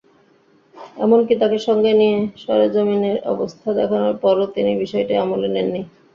এমনকি তাঁকে সঙ্গে নিয়ে সরেজমিনে অবস্থা দেখানোর পরও তিনি বিষয়টি আমলে নেননি।